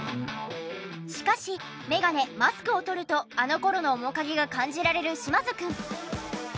しかしメガネマスクを取るとあの頃の面影が感じられる嶋津くん。